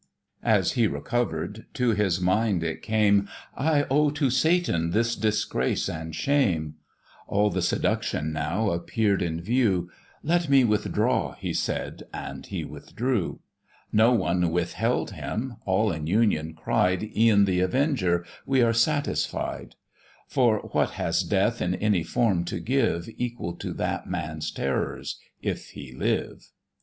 As he recover'd, to his mind it came, "I owe to Satan this disgrace and shame:" All the seduction now appear'd in view; "Let me withdraw," he said, and he withdrew: No one withheld him, all in union cried, E'en the avenger, "We are satisfied:" For what has death in any form to give, Equal to that man's terrors, if he live?